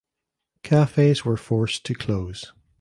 Cafes were forced to close.